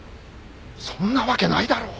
そんなわけないだろ！